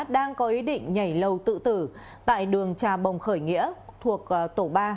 đang có ý định nhảy lầu tự tử tại đường trà bồng khởi nghĩa thuộc tổ ba